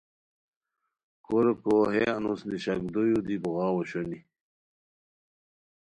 کوریکو ہے انوس نیشاکدویو دی بوغاؤ اوشونی